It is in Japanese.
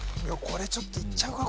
これちょっといっちゃうか？